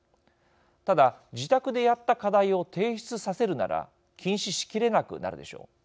ただ自宅でやった課題を提出させるなら禁止しきれなくなるでしょう。